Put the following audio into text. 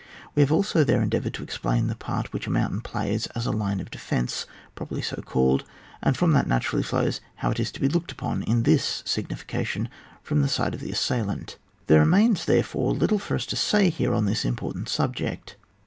We have also there endeavoured to explain the part which a mountain plays as a line of defence, properly so called, and from that naturally follows how it is to be looked upon in this signification from the side of the assailant. There remains, therefore, little for us to say here on this important subject.